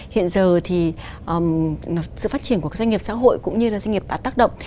hiện giờ thì sự phát triển của các doanh nghiệp xã hội cũng như là doanh nghiệp tạo tác động